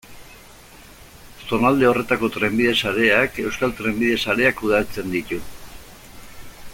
Zonalde horretako trenbide sareak, Euskal Trenbide Sareak kudeatzen ditu.